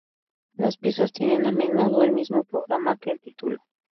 Las piezas tienen a menudo el mismo programa que el título.